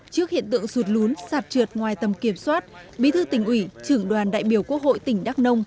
trước hiện tượng sụt lún sạt trượt ngoài tầm kiểm soát bí thư tỉnh ủy trưởng đoàn đại biểu quốc hội tỉnh đắk nông